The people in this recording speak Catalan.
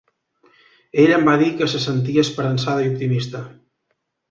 Ella em va dir que se sentia esperançada i optimista.